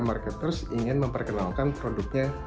marketers ingin memperkenalkan produknya